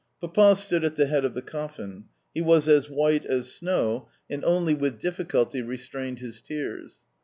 Papa stood at the head of the coffin. He was as white as snow, and only with difficulty restrained his tears.